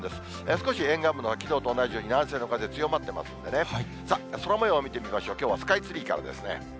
少し沿岸部はきのうと同じように南西の風が強まっているんでね、さあ、空もよう見てみましょう、きょうはスカイツリーからですね。